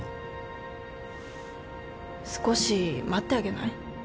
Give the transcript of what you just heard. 少し待ってあげない？